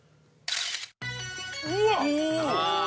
うわっ！